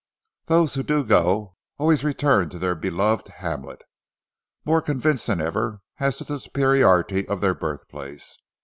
Those who do go, always return to their beloved hamlet, more convinced than ever as to the superiority of their birthplace.